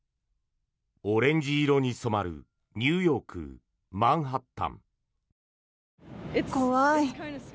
オレンジ色に染まるニューヨーク・マンハッタン。